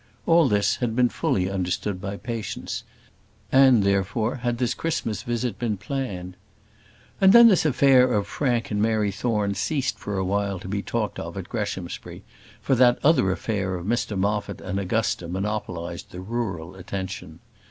All this had been fully understood by Patience, and, therefore, had this Christmas visit been planned. And then this affair of Frank and Mary Thorne ceased for a while to be talked of at Greshamsbury, for that other affair of Mr Moffat and Augusta monopolised the rural attention.